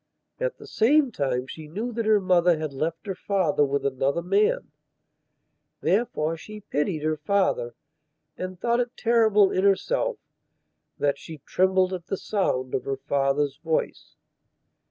At the same time she knew that her mother had left her father with another mantherefore she pitied her father, and thought it terrible in herself that she trembled at the sound of her father's voice.